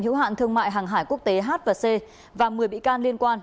hiếu hạn thương mại hàng hải quốc tế h c và một mươi bị can liên quan